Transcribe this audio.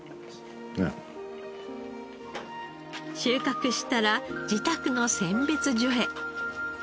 ねえ。収穫したら自宅の選別所へ。